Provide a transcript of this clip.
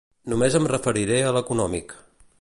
Només em referiré a l’econòmic.